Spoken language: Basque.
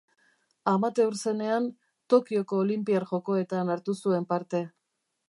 Amateur zenean, Tokioko Olinpiar Jokoetan hartu zuen parte.